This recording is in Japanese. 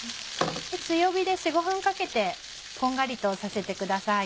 強火で４５分かけてこんがりとさせてください。